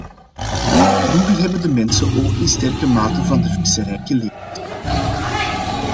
Vroeger hebben de mensen ook in sterke mate van de visserij geleefd.